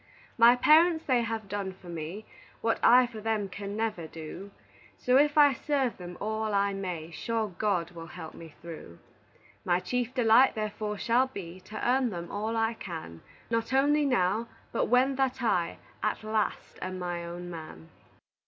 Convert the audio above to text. My parents they have done for me What I for them can never do, So if I serve them all I may, Sure God will help me through. My chief delight, therefore, shall be To earn them all I can, Not only now, but when that I At last am my own man.